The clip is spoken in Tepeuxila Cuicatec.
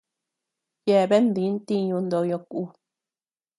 Yeabean di ntiñu ndoyo ku.